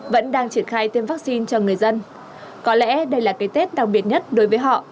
vẫn đang triển khai tiêm vaccine cho người dân có lẽ đây là cái tết đặc biệt nhất đối với họ